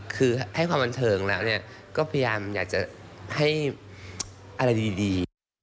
คือให้ความบันเทิงแล้วก็พยายามอยากจะให้อะไรดี